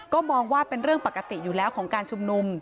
ก็มองว่าเป็นเรื่องปกติอยู่แล้วของการชุมนุม